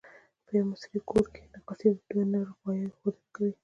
په یوه مصري ګور کې نقاشي د دوه نر غوایو ښودنه کوي.